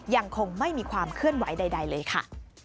ยังคงไม่มีความเคลื่อนไหวใดเลยค่ะ